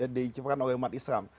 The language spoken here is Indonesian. diucapkan oleh umat islam